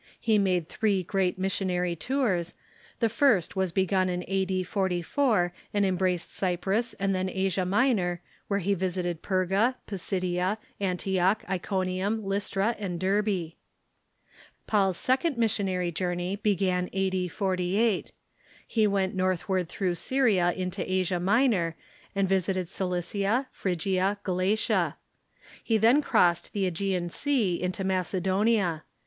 He made three great missionary tours. The first Avas begun a.d. 44, and embraced Cj^prus, and then Asia Minor, Avhere he visited Perga, Pisidia, Antioch, Iconium, Lj's tra, and Derbe. Paul's second missionaiy journey began a.d. 48. He went northward through Syria into Asia Minor, and visited Cilicia, Phrygia, Galatia. He then crossed the ^Egean Sea into Mace donia.